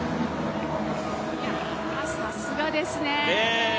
いや、さすがですね。